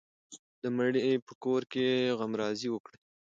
د مړي په کور کې غمرازي وکړئ.